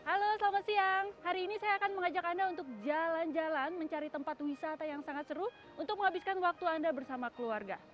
halo selamat siang hari ini saya akan mengajak anda untuk jalan jalan mencari tempat wisata yang sangat seru untuk menghabiskan waktu anda bersama keluarga